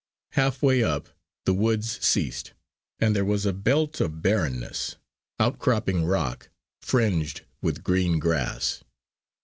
Half way up, the woods ceased, and there was a belt of barrenness outcropping rock fringed with green grass.